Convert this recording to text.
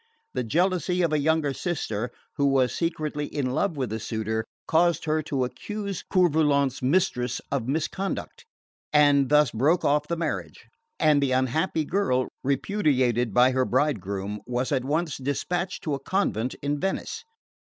The jealousy of a younger sister, who was secretly in love with the suitor, caused her to accuse Coeur Volant's mistress of misconduct and thus broke off the marriage; and the unhappy girl, repudiated by her bridegroom, was at once despatched to a convent in Venice.